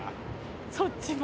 そっちも。